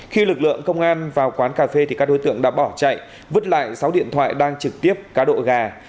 khi lực lượng công an vào quán cà phê thì các đối tượng đã bỏ chạy vứt lại sáu điện thoại đang trực tiếp cá độ gà